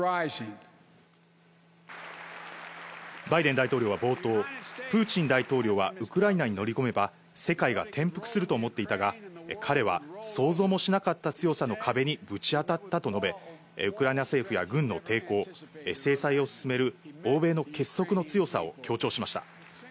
バイデン大統領は冒頭、プーチン大統領はウクライナに乗り込めば、世界が転覆すると思っていたが、彼は想像もしなかった強さの壁にぶち当たったと述べ、ウクライナ政府や軍の抵抗、制裁を進めるの欧米の結束の強さを強調しました。